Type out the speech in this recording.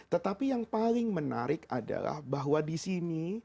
tetapi yang paling menarik adalah bahwa disini